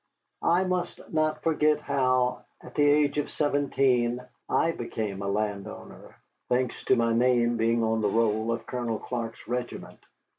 I must not forget how, at the age of seventeen, I became a landowner, thanks to my name being on the roll of Colonel Clark's regiment.